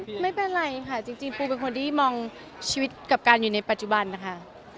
ไม่เป็นไรค่ะจริงปูเป็นคนที่มองชีวิตกับการอยู่ในปัจจุบันนะคะ